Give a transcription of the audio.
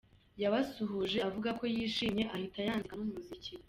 Yabasuhuje avuga ko yishimye ahita yanzika n’umuziki.